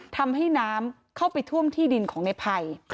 ทำให้น้ำเข้าไปท่วมที่ดินของในภัย